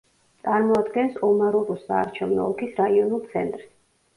წარმოადგენს ომარურუს საარჩევნო ოლქის რაიონულ ცენტრს.